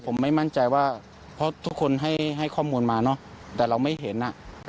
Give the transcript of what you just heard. ผมไม่มั่นใจว่าเพราะทุกคนให้ข้อมูลมาเนอะแต่เราไม่เห็นอ่ะ